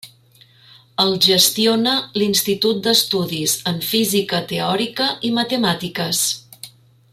El gestiona l'Institut d'Estudis en Física Teòrica i Matemàtiques.